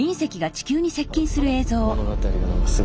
物語が何かすごい。